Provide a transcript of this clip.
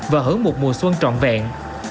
và hưởng một mùa xuân trọn vẹn